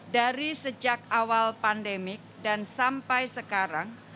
dari sejak awal pandemi dan sampai sekarang